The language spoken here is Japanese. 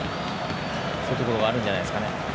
そういうところがあるんじゃないですかね。